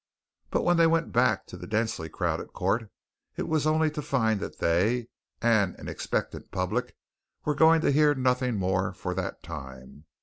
But when they went back to the densely crowded court it was only to find that they and an expectant public were going to hear nothing more for that time.